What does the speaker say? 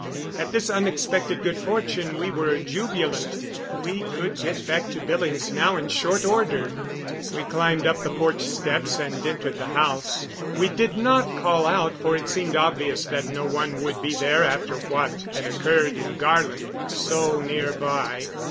At this unexpected good fortune we were jubilant. We could get back to Billings now in short order. We climbed up the porch steps and entered the house. We did not call out, for it seemed obvious that no one would be there after what had occurred in Garland so near by.